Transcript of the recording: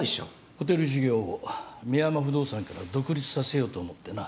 ホテル事業を深山不動産から独立させようと思ってな。